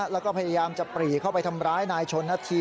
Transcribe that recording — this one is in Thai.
แล้วก็พยายามจะปรีเข้าไปทำร้ายนายชนนาธี